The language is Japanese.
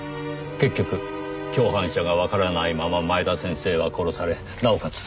結局共犯者がわからないまま前田先生は殺されなおかつ